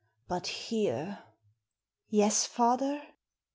But here " "Yes, father?"